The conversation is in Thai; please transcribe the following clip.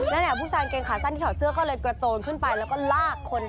ผู้ชายองเกงขาสั้นที่ถอดเสื้อก็เลยกระโจนขึ้นไปแล้วก็ลากคน